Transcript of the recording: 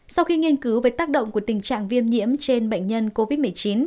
sau khi nghiên cứu về tác động của tình trạng viêm nhiễm trên bệnh nhân covid một mươi chín